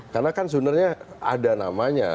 karena kan sebenarnya ada namanya